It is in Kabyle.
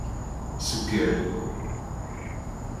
Segger.